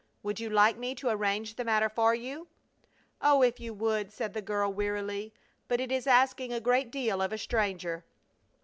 Would you like me to arrange the matter for you?" "Oh, if you would!" said the girl, wearily. "But it is asking a great deal of a stranger."